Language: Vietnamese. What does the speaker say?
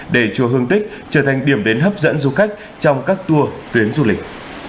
để chùa hương tích trở thành điểm đến hấp dẫn du khách trong các tour tuyến du lịch